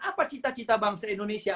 apa cita cita bangsa indonesia